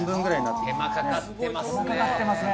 手間かかってますね